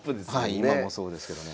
はい今もそうですけどね。